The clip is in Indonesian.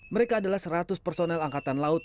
mereka adalah seratus personel angkatan laut